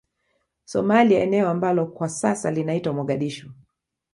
Somalia eneo ambalo kwa sasa linaitwa Mogadishu